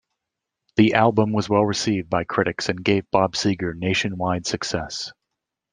The album was well received by critics and gave Bob Seger nationwide success.